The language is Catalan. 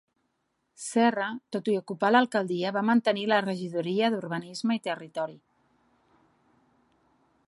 Serra, tot i ocupar l'alcaldia, va mantenir la regidoria d'Urbanisme i Territori.